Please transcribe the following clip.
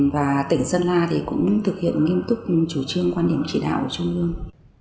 và tỉnh sơn la thì cũng thực hiện nghiêm túc chủ trương quan điểm chỉ đạo của trung ương